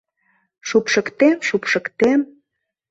Шупшыктем, шупшыктем...